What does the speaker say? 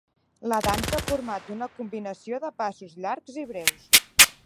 La dansa ha format d'una combinació de passos llargs i breus.